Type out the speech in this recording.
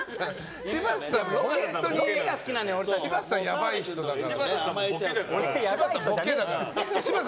柴田さん、やばい人だから。